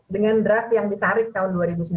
dengan draft yang ditarik tahun dua ribu sembilan belas